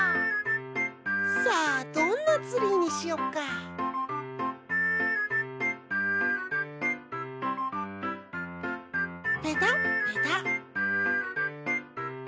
さあどんなツリーにしよっかペタッペタッ